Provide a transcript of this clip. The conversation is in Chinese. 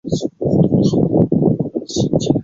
长穗蜡瓣花为金缕梅科蜡瓣花属下的一个种。